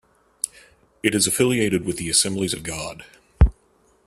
It is affiliated with the Assemblies of God.